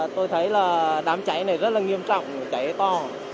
tôi thấy là đám cháy này rất là nghiêm trọng cháy to